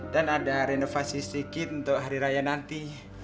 dan ada renovasi sedikit untuk hari raya nanti